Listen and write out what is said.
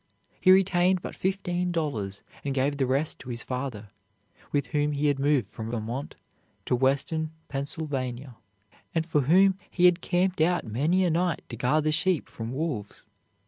He retained but fifteen dollars and gave the rest to his father, with whom he had moved from Vermont to Western Pennsylvania, and for whom he had camped out many a night to guard the sheep from wolves.